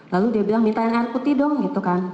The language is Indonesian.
lalu dia bilang minta air putih dong gitu kan